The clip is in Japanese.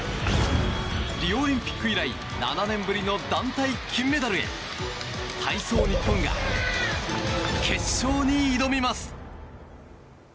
リオオリンピック以来７年ぶりの団体金メダルへ体操ニッポンが決勝に挑みます。